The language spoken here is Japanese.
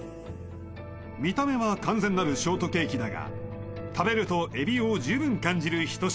見た目は完全なるショートケーキだが食べるとエビを十分感じるひと品